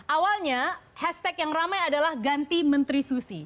awalnya hashtag yang ramai adalah ganti menteri susi